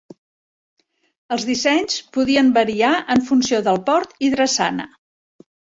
Els dissenys podien variar en funció del port i drassana.